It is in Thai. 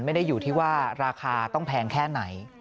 ไม่ได้อยู่ที่ว่าราคาต้องแพงแค่ไหน